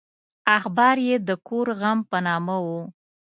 اخبار یې د کور غم په نامه و.